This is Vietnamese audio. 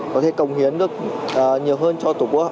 có thể cống hiến được nhiều hơn cho tổ quốc